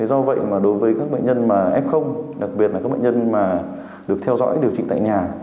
do vậy đối với các bệnh nhân f đặc biệt là các bệnh nhân được theo dõi điều trị tại nhà